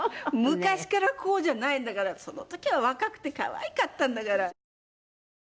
昔からこうじゃないんだからその時は若くて可愛かったんだから！